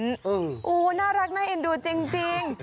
ดูน่ารักน่าเอ็นดูจริง